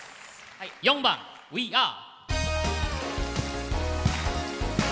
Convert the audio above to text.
４番「ウィーアー！」。